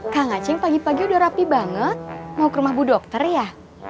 kang aceh pagi pagi udah rapi banget mau ke rumah bu dokter ya